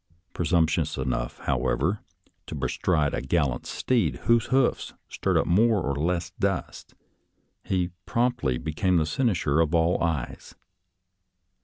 Presumptuous enough, however, to bestride a gallant steed, whose hoofs stirred up more or less dust, he promptly became the cynosure of all eyes.